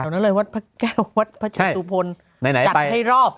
แหล่งวัดพระแก้ววัดพระชาตุพลจัดให้รอบ